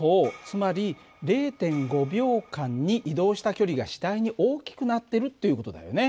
つまり０．５秒間に移動した距離が次第に大きくなってるっていう事だよね。